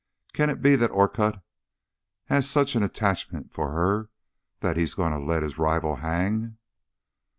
Can it be that Orcutt has such an attachment for her that he is going to let his rival hang?"